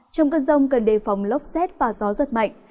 trong cơn rông cần đề phòng lốc xét và gió giật mạnh